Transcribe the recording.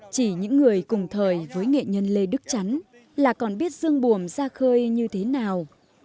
chỉ những người cùng thời với nghệ nhân lê đức chắn là còn biết dương bùm ra khơi như thế nào